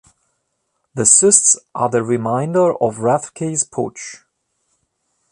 The cysts are the remainder of Rathke's pouch.